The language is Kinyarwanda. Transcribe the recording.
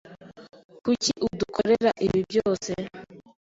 Kuki udukorera ibi byose?